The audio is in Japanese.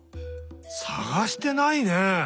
さがしてないね。